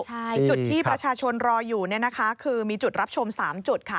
ใช่จุดที่ประชาชนรออยู่คือมีจุดรับชม๓จุดค่ะ